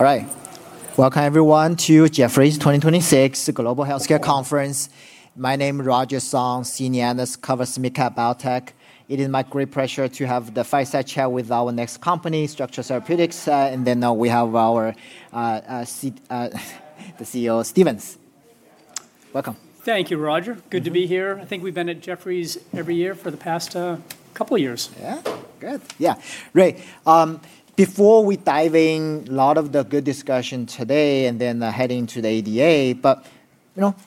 All right. Welcome, everyone, to Jefferies 2026 Global Healthcare Conference. My name is Roger Song, Senior Analyst, I cover SMID Biotech. It is my great pleasure to have the fireside chat with our next company, Structure Therapeutics. We have our CEO, Stevens. Welcome. Thank you, Roger. Good to be here. I think we've been at Jefferies every year for the past couple of years. Yeah. Good. Yeah. Great. Before we dive in, a lot of the good discussion today and then heading to the ADA, but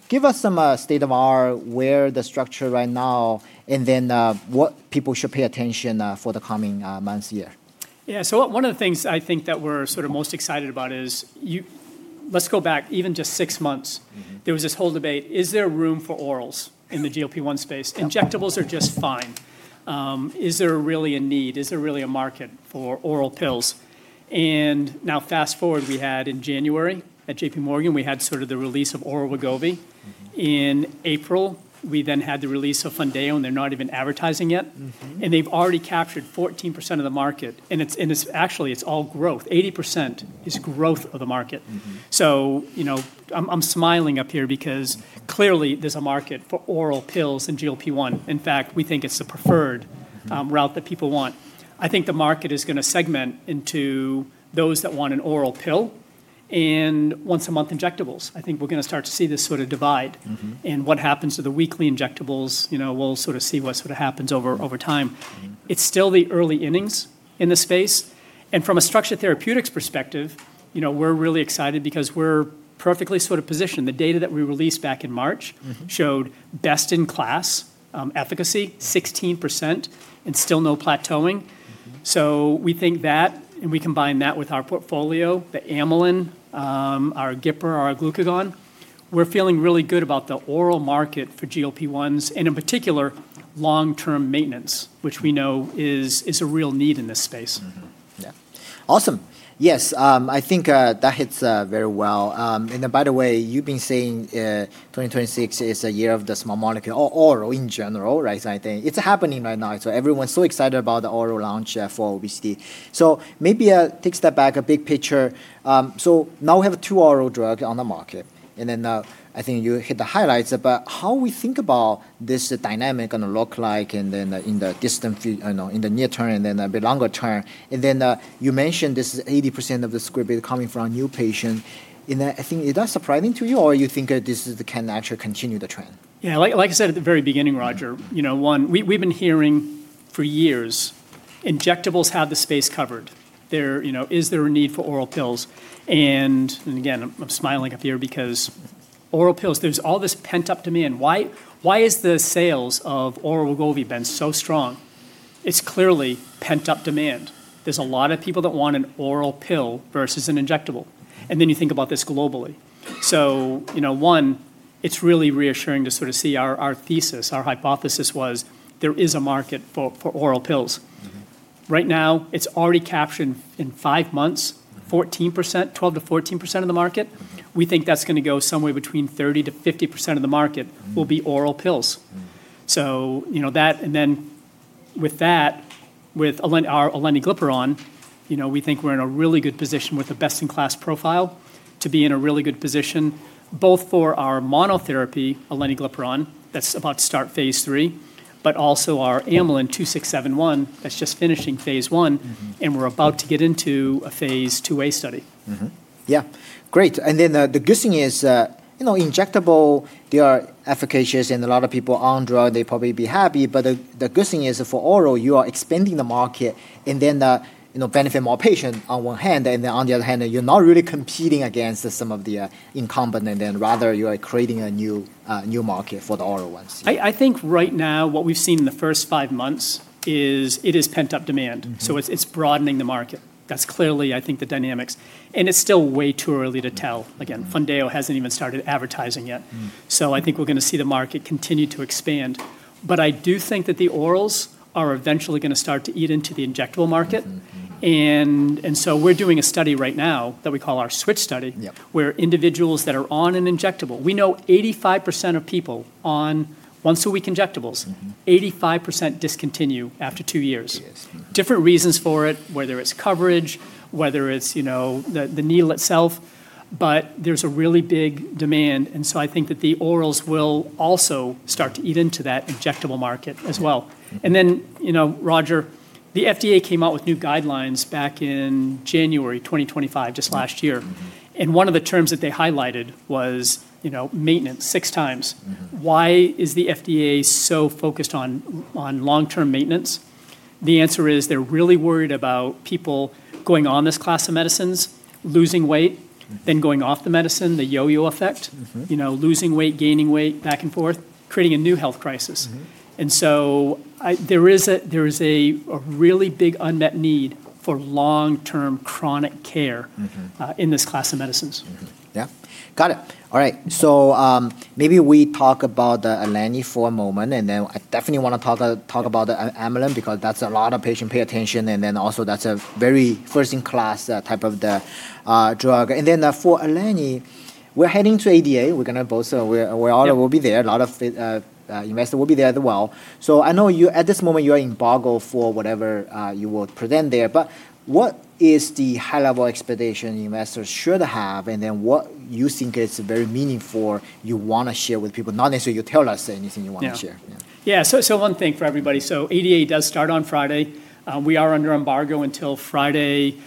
give us some state of our- where Structure Therapeutics right now, and then what people should pay attention for the coming months, year. Yeah. One of the things I think that we're most excited about is, let's go back even just six months. There was this whole debate: Is there room for orals in the GLP-1 space? Injectables are just fine. Is there really a need? Is there really a market for oral pills? Now fast-forward, we had in January at JPMorgan, we had sort of the release of Oral Wegovy. In April, we then had the release of Mounjaro, and they're not even advertising yet. They've already captured 14% of the market, and actually, it's all growth. 80% is growth of the market. I'm smiling up here because clearly there's a market for oral pills in GLP-1. In fact, we think it's the preferred route that people want. I think the market is going to segment into those that want an oral pill and once-a-month injectables. I think we're going to start to see this sort of divide. What happens to the weekly injectables, we'll see what happens over time. It's still the early innings in this space. From a Structure Therapeutics perspective, we're really excited because we're perfectly positioned. The data that we released back in March. Showed best-in-class efficacy, 16%, and still no plateauing. We think that, and we combine that with our portfolio, the Amylin, our aleniglipron, our glucagon. We're feeling really good about the oral market for GLP-1s, and in particular, long-term maintenance, which we know is a real need in this space. Yeah. Awesome. Yes. I think that hits very well. By the way, you've been saying 2026 is the year of the small molecule, or oral in general, right? I think it's happening right now, so everyone's so excited about the oral launch for obesity. Maybe take a step back, a big picture. Now we have two oral drugs on the market, I think you hit the highlights about how we think about this dynamic going to look like, in the near term a bit longer term. You mentioned this is 80% of the script coming from new patients, I think, is that surprising to you, or you think this can actually continue the trend? Yeah, like I said at the very beginning, Roger, one, we've been hearing for years, injectables have the space covered. Is there a need for oral pills? Again, I'm smiling up here because oral pills, there's all this pent-up demand. Why is the sales of oral Wegovy been so strong? It's clearly pent-up demand. There's a lot of people that want an oral pill versus an injectable. Then you think about this globally. One, it's really reassuring to sort of see our thesis, our hypothesis was there is a market for oral pills. Right now, it's already captured in five months. 12%-14% of the market. We think that's going to go somewhere between 30%-50% of the market will be oral pills. With that, with our aleniglipron, we think we're in a really good position with a best-in-class profile to be in a really good position, both for our monotherapy, aleniglipron, that's about to start phase III, but also our amylin ACCG-2671, that's just finishing phase I, and we're about to get into a phase II-A study. Yeah. Great. The good thing is, injectable, they are efficacious and a lot of people are on drug, they'd probably be happy. The good thing is for oral, you are expanding the market and then benefit more patients on one hand, and then on the other hand, you're not really competing against some of the incumbent, and rather you are creating a new market for the oral ones. I think right now what we've seen in the first five months is, it is pent-up demand. It's broadening the market. That's clearly, I think, the dynamics, and it's still way too early to tell. Again, Mounjaro hasn't even started advertising yet. I think we're going to see the market continue to expand. I do think that the orals are eventually going to start to eat into the injectable market. We're doing a study right now that we call our switch study- Yep. -where individuals that are on an injectable, we know 85% of people on once-a-week injectables. 85% discontinue after two years. Yes. Different reasons for it, whether it's coverage, whether it's the needle itself. There's a really big demand. I think that the orals will also start to eat into that injectable market as well. Roger, the FDA came out with new guidelines back in January 2025, just last year. One of the terms that they highlighted was maintenance, six times. Why is the FDA so focused on long-term maintenance? The answer is they're really worried about people going on this class of medicines, losing weight, then going off the medicine, the yo-yo effect. Losing weight, gaining weight, back and forth, creating a new health crisis. There is a really big unmet need for long-term chronic care.in this class of medicines. Yeah. Got it. All right. Maybe we talk about the aleniglipron for a moment, and then I definitely want to talk about the Amylin, because that's a lot of patient pay attention, and then also that's a very first-in-class type of drug. For aleniglipron, we're heading to ADA. We're all- Yeah -going be there. A lot of investors will be there as well. I know you, at this moment, you are embargo for whatever you would present there. What is the high-level expectation investors should have, and what you think is very meaningful you want to share with people? Not necessarily you tell us anything you want to share. One thing for everybody, ADA does start on Friday. We are under embargo until Friday.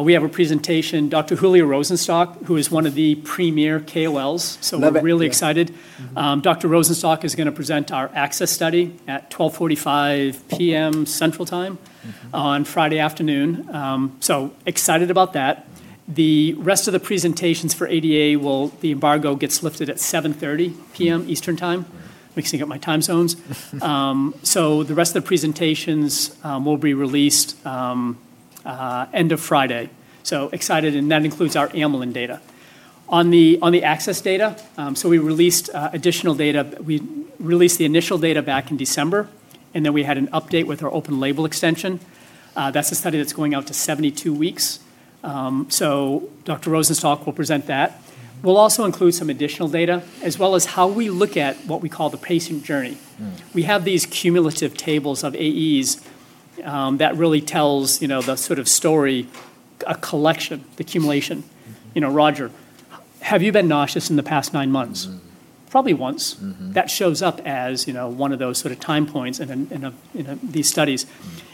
We have a presentation, Dr. Julio Rosenstock, who is one of the premier KOLs. Love it. Yeah. We're really excited. Dr. Rosenstock is going to present our ACCESS study at 12:45 P.M. Central Time on Friday afternoon. Excited about that. The rest of the presentations for ADA, the embargo gets lifted at 7:30 P.M. Eastern Time. Mixing up my time zones. The rest of the presentations will be released end of Friday. Excited, and that includes our Amylin data. On the ACCESS data, we released the initial data back in December, and then we had an update with our open label extension. That's a study that's going out to 72 weeks. Dr. Rosenstock will present that. We'll also include some additional data, as well as how we look at what we call the patient journey. We have these cumulative tables of AEs that really tells the sort of story, a collection, the accumulation. Roger, have you been nauseous in the past nine months? Probably once. That shows up as one of those sort of time points in these studies.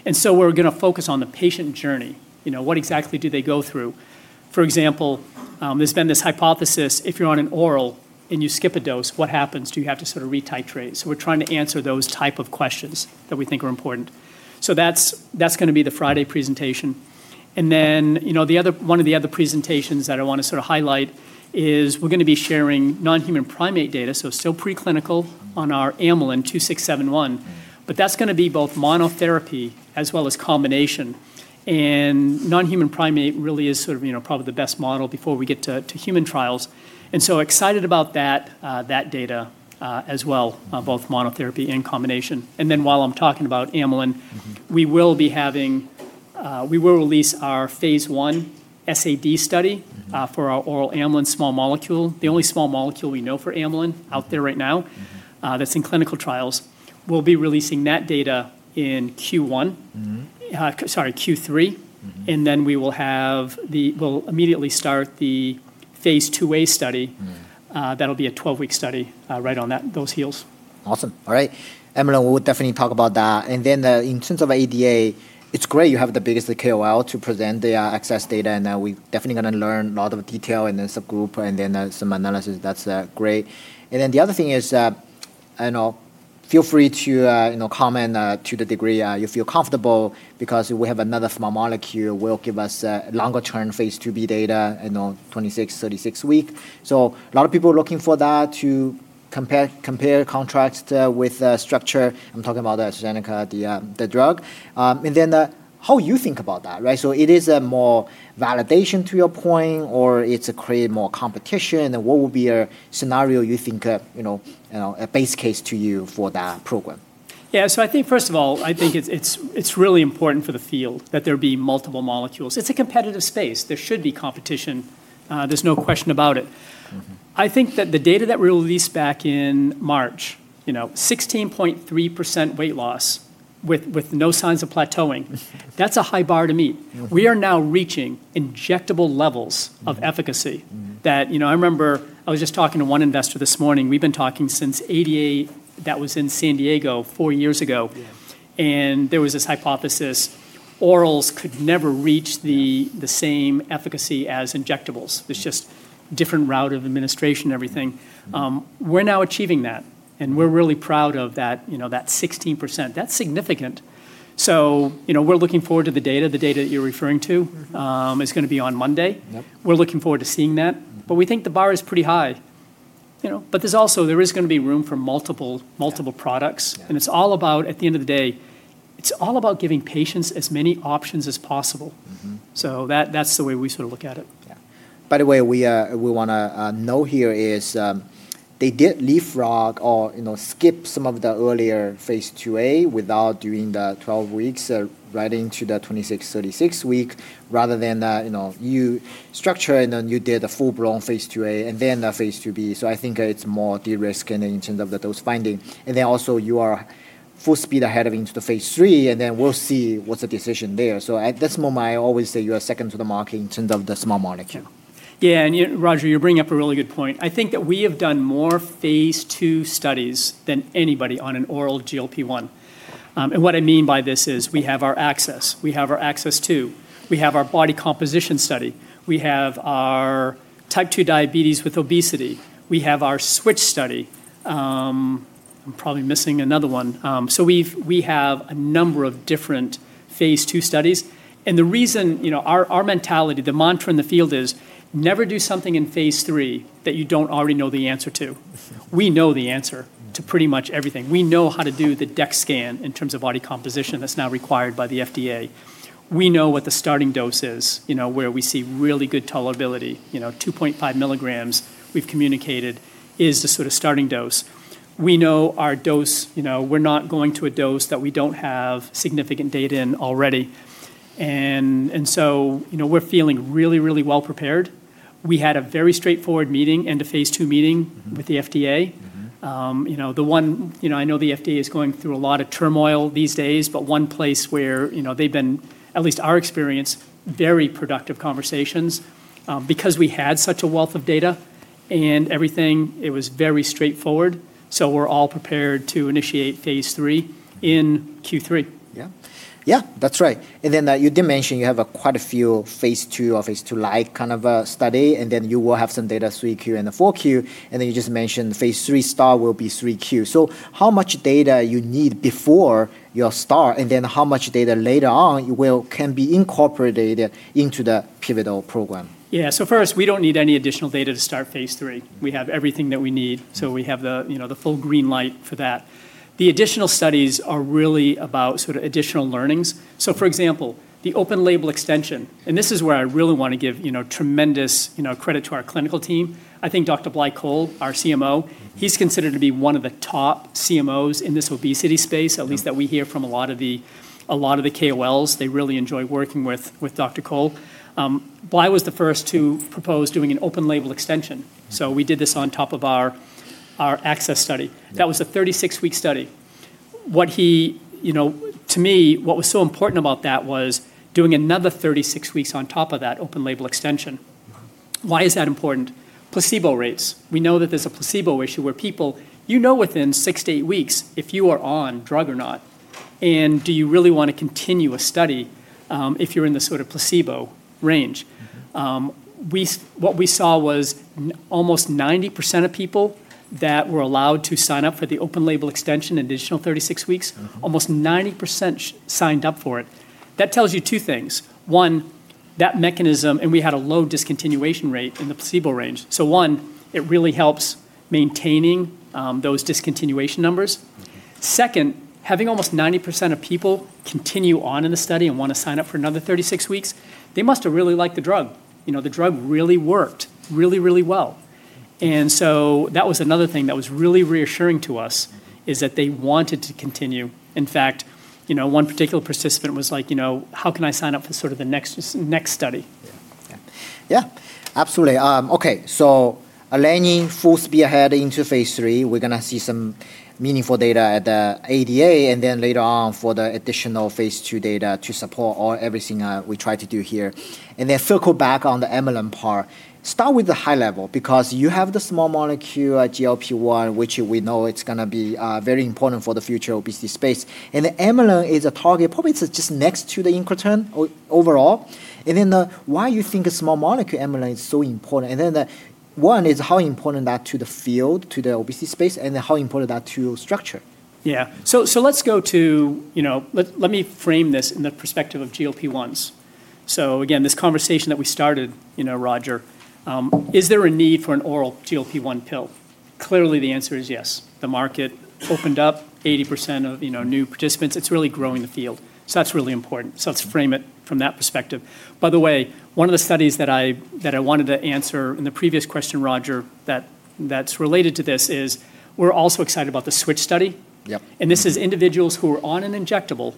We're going to focus on the patient journey, what exactly do they go through? For example, there's been this hypothesis, if you're on an oral and you skip a dose, what happens? Do you have to sort of re-titrate? We're trying to answer those type of questions that we think are important. That's going to be the Friday presentation. One of the other presentations that I want to sort of highlight is we're going to be sharing non-human primate data, still pre-clinical, on our Amylin-2671. That's going to be both monotherapy as well as combination, and non-human primate really is probably the best model before we get to human trials. I'm so excited about that data as well, both monotherapy and combination. While I'm talking about Amylin, we will release our phase I SAD study for our oral Amylin small molecule. The only small molecule we know for Amylin out there right now that's in clinical trials. We'll be releasing that data in Q3. We will immediately start the phase IIa study. That'll be a 12-week study right on those heels. Awesome. All right. Amylin, we'll definitely talk about that. In terms of ADA, it's great you have the biggest KOL to present the ACCESS data, and we're definitely going to learn a lot of detail in the subgroup and then some analysis. That's great. The other thing is, feel free to comment to the degree you feel comfortable, because we have another small molecule will give us longer term phase IIb data, 26, 36 week. A lot of people are looking for that to compare, contrast with Structure. I'm talking about AstraZeneca, the drug. How you think about that, right? It is a more validation to your point, or it's create more competition, and what will be a scenario you think, a base case to you for that program? Yeah. I think first of all, I think it's really important for the field that there be multiple molecules. It's a competitive space. There should be competition. There's no question about it. I think that the data that we released back in March, 16.3% weight loss with no signs of plateauing. That's a high bar to meet. Beautiful. We are now reaching injectable levels of efficacy. I remember I was just talking to one investor this morning. We've been talking since ADA, that was in San Diego four years ago. Yeah. There was this hypothesis, orals could never reach the same efficacy as injectables. It's just different route of administration, everything. We're now achieving that, and we're really proud of that 16%. That's significant. We're looking forward to the data. The data that you're referring to is going to be on Monday. Yep. We're looking forward to seeing that. We think the bar is pretty high. There's also going to be room for multiple products. At the end of the day, it's all about giving patients as many options as possible. That's the way we sort of look at it. Yeah. By the way, we want to note here is they did leapfrog or skip some of the earlier phase IIa without doing the 12 weeks, right into the 26, 36 week, rather than you structure and then you did a full-blown phase IIa and then the phase IIb. I think it's more de-risk and in terms of those finding. Also you are full speed ahead into the phase III, and then we'll see what's the decision there. At this moment, I always say you are second to the market in terms of the small molecule. Roger, you're bringing up a really good point. I think that we have done more phase II studies than anybody on an oral GLP-1. What I mean by this is we have our ACCESS, we have our ACCESS II, we have our body composition study, we have our type II diabetes with obesity, we have our SWITCH study. I'm probably missing another one. We have a number of different phase II studies, and our mentality, the mantra in the field is never do something in phase III that you don't already know the answer to. We know the answer to pretty much everything. We know how to do the DEXA scan in terms of body composition that's now required by the FDA. We know what the starting dose is, where we see really good tolerability. 2.5mg, we've communicated, is the sort of starting dose. We know our dose. We're not going to a dose that we don't have significant data in already. We're feeling really, really well prepared. We had a very straightforward meeting and a phase II meeting with the FDA. I know the FDA is going through a lot of turmoil these days, one place where they've been, at least our experience, very productive conversations. Because we had such a wealth of data, and everything, it was very straightforward. We're all prepared to initiate phase III in Q3. Yeah, that's right. You did mention you have quite a few phase II or phase II-like kind of study, and then you will have some data Q3 and the Q4, and then you just mentioned phase III star will be Q3. How much data you need before your star, and then how much data later on can be incorporated into the pivotal program? Yeah. First, we don't need any additional data to start phase III. We have everything that we need, we have the full green light for that. The additional studies are really about sort of additional learnings. For example, the open label extension, and this is where I really want to give tremendous credit to our clinical team. I think Dr. Blai Coll, our CMO, he's considered to be one of the top CMOs in this obesity space, at least that we hear from a lot of the KOLs. They really enjoy working with Dr. Coll. Blai was the first to propose doing an open label extension. We did this on top of our ACCESS study. Yeah. That was a 36-week study. To me, what was so important about that was doing another 36 weeks on top of that open label extension. Why is that important? Placebo rates. We know that there's a placebo issue where people, you know within 6-8 weeks if you are on drug or not. Do you really want to continue a study, if you're in the sort of placebo range? What we saw was almost 90% of people that were allowed to sign up for the open label extension, an additional 36 weeks-almost 90% signed up for it. That tells you two things. One, that mechanism, and we had a low discontinuation rate in the placebo range. One, it really helps maintaining those discontinuation numbers. Second, having almost 90% of people continue on in a study and want to sign up for another 36 weeks, they must have really liked the drug. The drug really worked really, really well. That was another thing that was really reassuring to us.is that they wanted to continue. In fact, one particular participant was like, "How can I sign up for sort of the next study? Yeah. Absolutely. Aleniglipron full speed ahead into phase III. We're going to see some meaningful data at the ADA, later on for the additional phase II data to support all everything we try to do here. Circle back on the Amylin part. Start with the high level, you have the small molecule, GLP-1, which we know it's going to be very important for the future obesity space. The Amylin is a target, probably it's just next to the incretin overall. Why you think a small molecule Amylin is so important? One is how important that to the field, to the obesity space, and then how important that to Structure? Yeah. Let me frame this in the perspective of GLP-1s. Again, this conversation that we started, Roger. Is there a need for an oral GLP-1 pill? Clearly the answer is yes. The market opened up 80% of new participants. It's really growing the field, so that's really important. Let's frame it from that perspective. By the way, one of the studies that I wanted to answer in the previous question, Roger, that's related to this is we're also excited about the switch study. Yep. This is individuals who are on an injectable.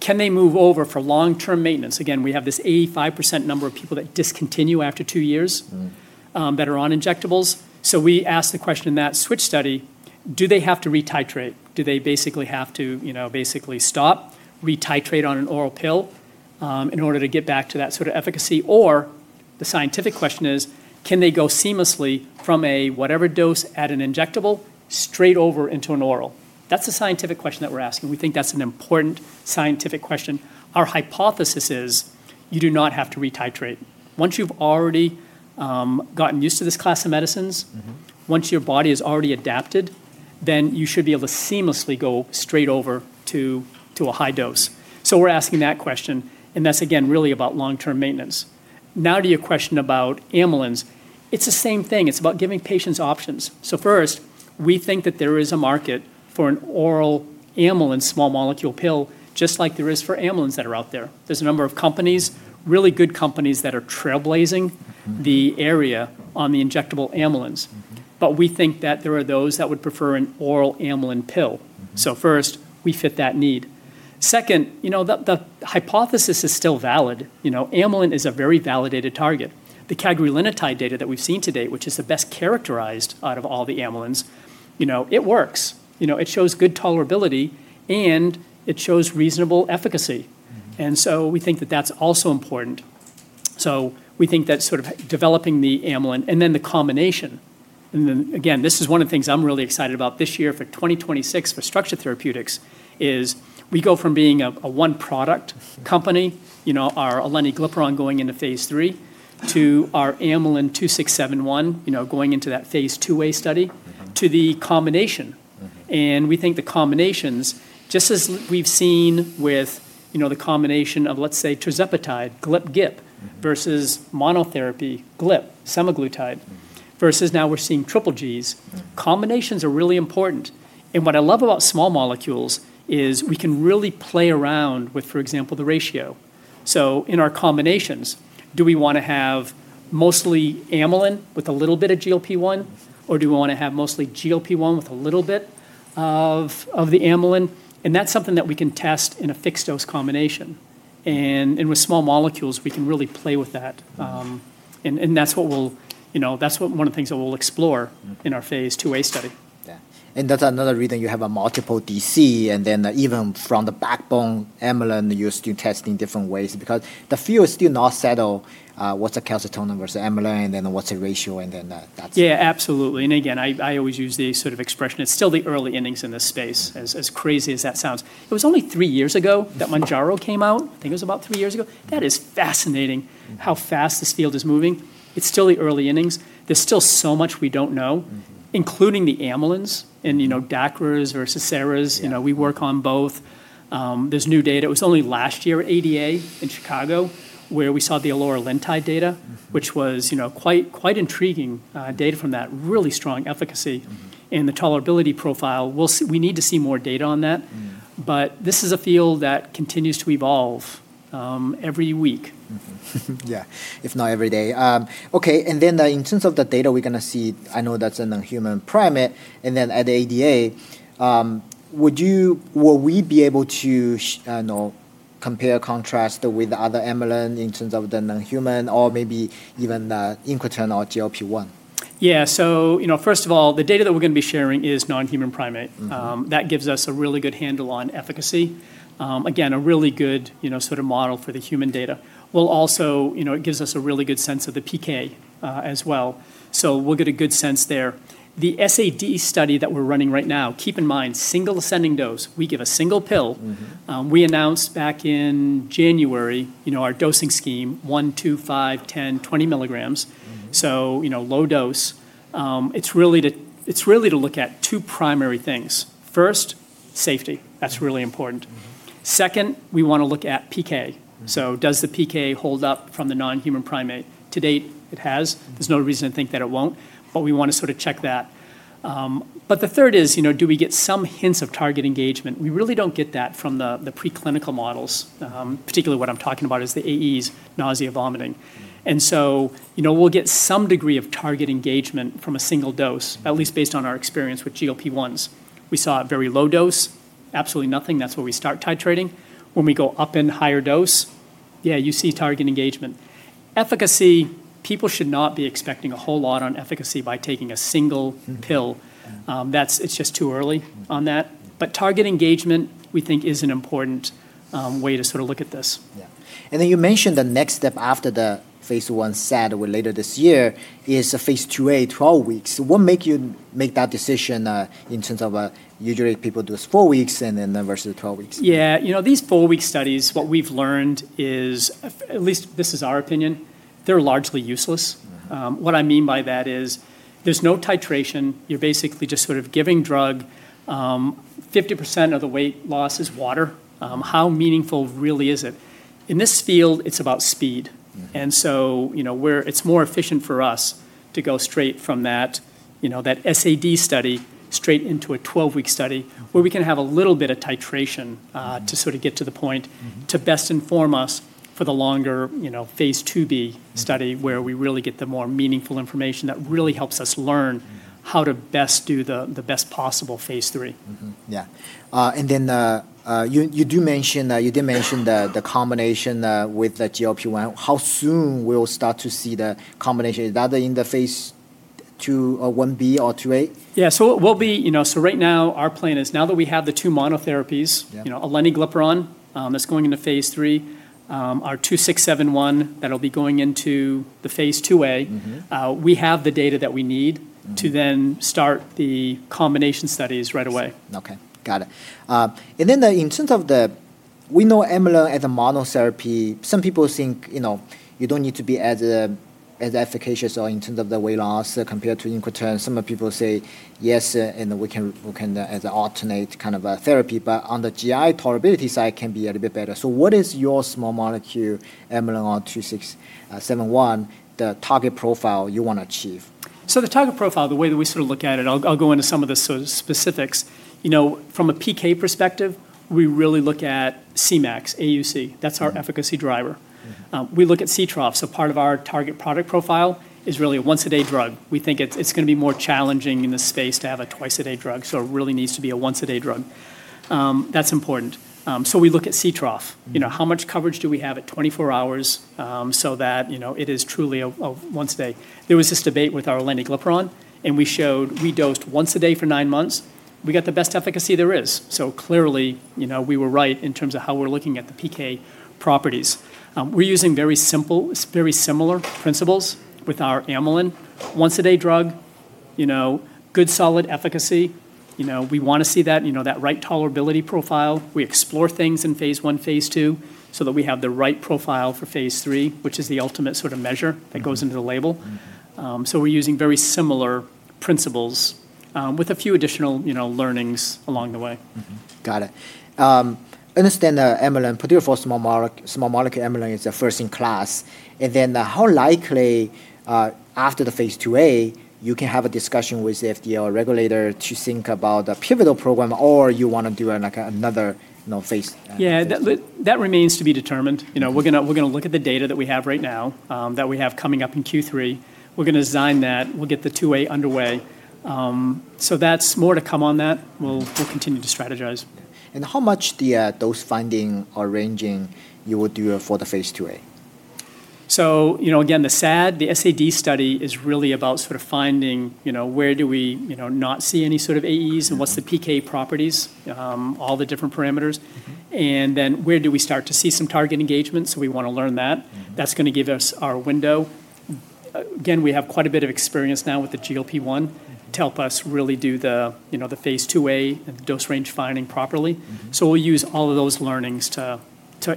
Can they move over for long-term maintenance? Again, we have this 85% number of people that discontinue after two years, that are on injectables. We ask the question in that SWITCH study, do they have to re-titrate? Do they basically have to stop, re-titrate on an oral pill, in order to get back to that sort of efficacy? The scientific question is, can they go seamlessly from a whatever dose at an injectable straight over into an oral? That's the scientific question that we're asking. We think that's an important scientific question. Our hypothesis is you do not have to re-titrate. Once you've already gotten used to this class of medicines-once your body has already adapted, then you should be able to seamlessly go straight over to a high dose. We're asking that question, and that's again, really about long-term maintenance. Now to your question about Amylins. It's the same thing. It's about giving patients options. First, we think that there is a market for an oral Amylin small molecule pill, just like there is for Amylins that are out there. There's a number of companies, really good companies, that are trailblazing the area on the injectable Amylins. We think that there are those that would prefer an oral Amylin pill. First, we fit that need. Second, the hypothesis is still valid. Amylin is a very validated target. The cagrilintide data that we've seen to date, which is the best characterized out of all the Amylins, it works. It shows good tolerability, and it shows reasonable efficacy. We think that that's also important. We think that sort of developing the amylin, and then the combination, and then again, this is one of the things I'm really excited about this year for 2026 for Structure Therapeutics is we go from being a one product company, our aleniglipron going into phase III, to our Amylin ACCG-2671 going into that phase IIa study.to the combination. We think the combinations, just as we've seen with the combination of, let's say, tirzepatide, GLP-GIP versus monotherapy GLP-1, semaglutide, versus now we're seeing triple G's.Combinations are really important. What I love about small molecules is we can really play around with, for example, the ratio. In our combinations, do we want to have mostly Amylin with a little bit of GLP-1, or do we want to have mostly GLP-1 with a little bit of the Amylin? That's something that we can test in a fixed-dose combination. With small molecules, we can really play with that. That's one of the things that we'll explore.in our phase II-A study. Yeah. That's another reason you have a multiple DCE, and then even from the backbone Amylin, you're still testing different ways because the field still not settle what's a calcitonin versus Amylin, then what's a ratio, and then that's it. Yeah, absolutely. Again, I always use the sort of expression, it's still the early innings in this space, as crazy as that sounds. It was only three years ago that Mounjaro came out. I think it was about three years ago. That is fascinating how fast this field is moving. It's still the early innings. There's still so much we don't know, including the Amylins and DACRAs or SARAs. We work on both. There's new data. It was only last year, ADA in Chicago, where we saw the eloralintide data, which was quite intriguing data from that. Really strong efficacy in the tolerability profile. We need to see more data on that, but this is a field that continues to evolve every week. Yeah. If not every day. Okay. Then in terms of the data we're going to see, I know that's in a human primate, and then at ADA, will we be able to compare or contrast with the other Amylin in terms of the non-human or maybe even the incretin or GLP-1? Yeah. First of all, the data that we're going to be sharing is non-human primate. That gives us a really good handle on efficacy. Again, a really good sort of model for the human data. It gives us a really good sense of the PK as well. We'll get a good sense there. The SAD study that we're running right now, keep in mind, single ascending dose. We give a single pill. We announced back in January our dosing scheme, one, two, five, 10, 20mg. Low dose. It's really to look at two primary things. First, safety. That's really important. Second, we want to look at PK.n Does the PK hold up from the non-human primate? To date, it has. There's no reason to think that it won't, but we want to sort of check that. The third is, do we get some hints of target engagement? We really don't get that from the preclinical models. Particularly what I'm talking about is the AEs, nausea, vomiting. We'll get some degree of target engagement from a single dose, at least based on our experience with GLP-1s. We saw a very low dose, absolutely nothing. That's where we start titrating. When we go up in higher dose, yeah, you see target engagement. Efficacy, people should not be expecting a whole lot on efficacy by taking a single pill. It's just too early on that. Target engagement, we think, is an important way to sort of look at this. Yeah. You mentioned the next step after the phase I SAD later this year is a phase IIa 12 weeks. What made you make that decision, in terms of usually people do four weeks and then versus 12 weeks? These four-week studies, what we've learned is, at least this is our opinion, they're largely useless. What I mean by that is there's no titration. You're basically just sort of giving drug. 50% of the weight loss is water. How meaningful really is it? In this field, it's about speed. It's more efficient for us to go straight from that SAD study straight into a 12-week study where we can have a little bit of titration to sort of get to the point to best inform us for the longer phase IIb study, where we really get the more meaningful information that really helps us learn how to best do the best possible phase III. Yeah. You do mention the combination with the GLP-1. How soon we'll start to see the combination? Is that in the phase II or phase Ib or phase IIa? Right now our plan is now that we have the two monotherapies. Yeah. Aleniglipron that's going into phase III. Our ACCG-2671 that'll be going into the phase IIa. We have the data that we need to then start the combination studies right away. Okay. Got it. In terms of the, we know Amylin as a monotherapy, some people think you don't need to be as efficacious or in terms of the weight loss compared to incretin. Some people say, "Yes, and we can as an alternate kind of a therapy." On the GI tolerability side can be a little bit better. What is your small molecule Amylin ACCG-2671, the target profile you want to achieve? The target profile, the way that we sort of look at it, I'll go into some of the sort of specifics. From a PK perspective, we really look at Cmax, AUC. That's our efficacy driver. We look at Ctrough, so part of our target product profile is really a once a day drug. We think it's going to be more challenging in this space to have a twice a day drug, so it really needs to be a once a day drug. That's important. We look at Ctrough. How much coverage do we have at 24 hours, so that it is truly a once a day. There was this debate with our aleniglipron, and we showed we dosed once a day for nine months. We got the best efficacy there is. Clearly, we were right in terms of how we're looking at the PK properties. We're using very similar principles with our Amylin. Once a day drug, good solid efficacy. We want to see that right tolerability profile. We explore things in phase I, phase II, so that we have the right profile for phase III, which is the ultimate sort of measure that goes into the label. We're using very similar principles, with a few additional learnings along the way. Got it. Understand Amylin, particularly for small molecule Amylin, is a first in class. How likely, after the phase IIa, you can have a discussion with the FDA or regulator to think about the pivotal program, or you want to do another phase? Yeah, that remains to be determined. We're going to look at the data that we have right now, that we have coming up in Q3. We're going to design that. We'll get the phase IIa underway. That's more to come on that. We'll continue to strategize. How much the dose finding or ranging you will do for the phase IIa? Again, the SAD, the S-A-D study is really about finding where do we not see any sort of AEs, and what's the PK properties, all the different parameters. Where do we start to see some target engagement? We want to learn that. That's going to give us our window. Again, we have quite a bit of experience now with the GLP-1 to help us really do the phase II-A and the dose range finding properly. We'll use all of those learnings to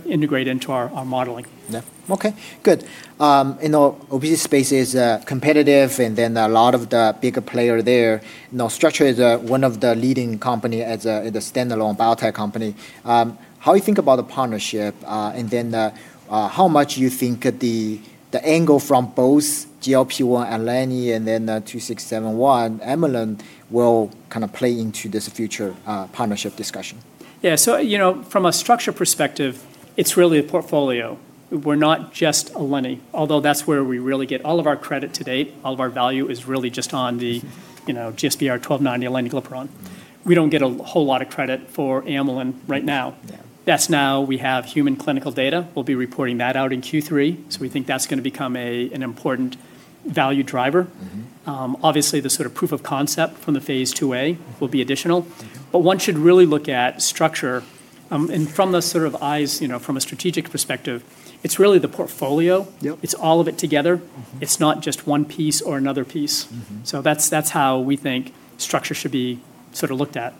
integrate into our modeling. Yeah. Okay, good. Obesity space is competitive, and then there are a lot of the bigger player there. Structure is one of the leading company as a standalone biotech company. How you think about the partnership, and then how much you think the angle from both GLP-1, alenigliporn, and then ACCG-2671, Amylin will play into this future partnership discussion? Yeah. From a Structure perspective, it's really a portfolio. We're not just aleniglipron, although that's where we really get all of our credit to date. All of our value is really just on the GSBR-1290 aleniglipron. We don't get a whole lot of credit for Amylin right now. Yeah. That's now we have human clinical data. We'll be reporting that out in Q3. We think that's going to become an important value driver. Obviously, the sort of proof of concept from the phase IIa will be additional. Yeah. One should really look at Structure, and from those sort of eyes, from a strategic perspective, it's really the portfolio. Yep. It's all of it together. It's not just one piece or another piece. That's how we think Structure should be looked at.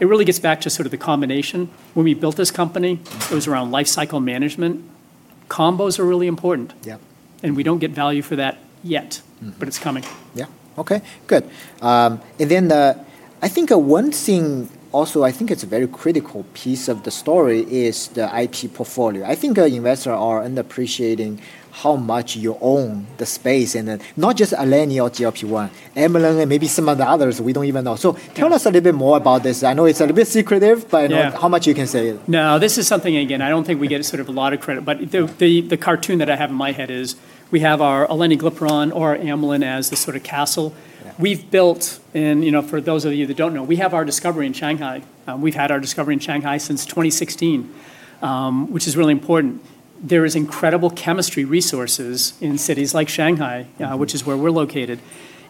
It really gets back to sort of the combination. When we built this company, It was around life cycle management. Combos are really important. Yeah. We don't get value for that yet, but it's coming. Yeah. Okay, good. Then I think one thing also, I think it's a very critical piece of the story, is the IP portfolio. I think investors are underappreciating how much you own the space, and not just Alnylam or GLP-1, Amylin, and maybe some of the others we don't even know. Tell us a little bit more about this. I know it's a little bit secretive- Yeah -how much you can say. No, this is something, again, I don't think we get sort of a lot of credit, but the cartoon that I have in my head is we have our aleniglipron or our Amylin as the sort of castle. Yeah. We've built, and for those of you that don't know, we have our discovery in Shanghai. We've had our discovery in Shanghai since 2016, which is really important. There is incredible chemistry resources in cities like Shanghai, which is where we're located.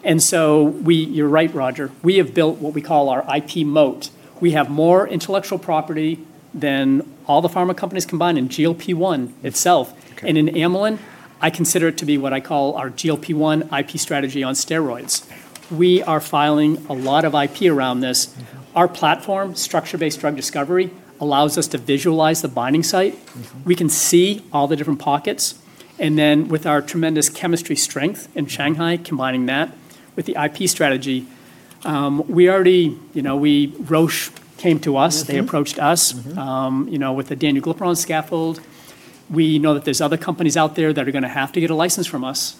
You're right, Roger. We have built what we call our IP moat. We have more intellectual property than all the pharma companies combined in GLP-1 itself. Okay. In Amylin, I consider it to be what I call our GLP-1 IP strategy on steroids. We are filing a lot of IP around this. Okay. Our platform, Structure-Based Drug Discovery, allows us to visualize the binding site. We can see all the different pockets, and then with our tremendous chemistry strength in Shanghai, combining that with the IP strategy. Roche came to us. They approached us.with the danuglipron scaffold. We know that there's other companies out there that are going to have to get a license from us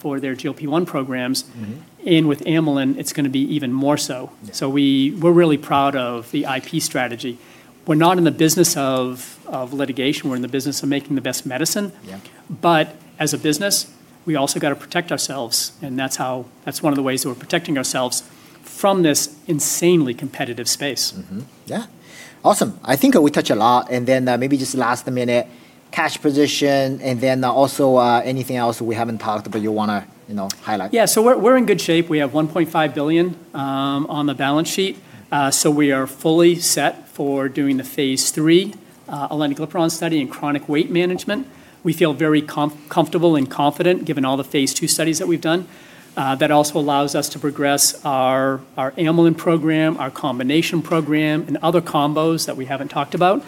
for their GLP-1 programs. With Amylin, it's going to be even more so. Yeah. We're really proud of the IP strategy. We're not in the business of litigation. We're in the business of making the best medicine. Yeah. As a business, we also got to protect ourselves, and that's one of the ways that we're protecting ourselves from this insanely competitive space. Yeah. Awesome. I think we touch a lot, and then maybe just last minute, cash position, and then also anything else we haven't talked, but you want to highlight. Yeah. We're in good shape. We have $1.5 billion on the balance sheet. We are fully set for doing the phase III aleniglipron study in chronic weight management. We feel very comfortable and confident given all the phase II studies that we've done. That also allows us to progress our Amylin program, our combination program, and other combos that we haven't talked about.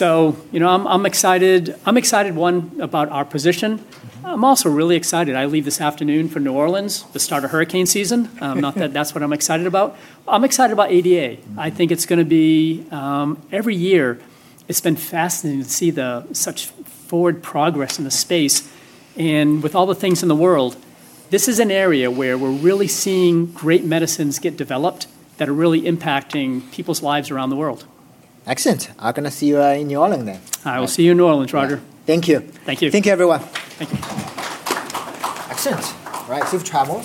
I'm excited, one, about our position. I'm also really excited. I leave this afternoon for New Orleans, the start of hurricane season. Not that that's what I'm excited about. I'm excited about ADA. Every year, it's been fascinating to see such forward progress in the space. With all the things in the world, this is an area where we're really seeing great medicines get developed that are really impacting people's lives around the world. Excellent. I'm going to see you in New Orleans then. I will see you in New Orleans, Roger. Thank you. Thank you. Thank you, everyone. Thank you. Excellent. Right, we've traveled